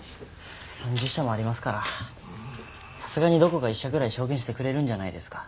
３０社もありますからさすがにどこか１社ぐらい証言してくれるんじゃないですか。